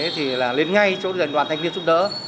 thì là lên ngay chỗ đoàn thanh niên giúp đỡ